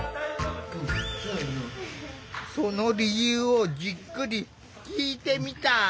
その理由をじっくり聞いてみた。